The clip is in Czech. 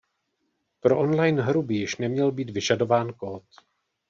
Pro online hru by již neměl být vyžadován kód.